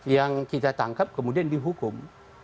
yang kita tangkap kemudian dihukum